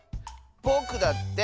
ぼくだって！